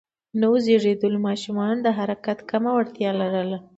نوو زېږیدليو ماشومان د حرکت کمه وړتیا لرله.